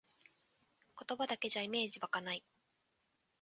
言葉だけじゃイメージわかない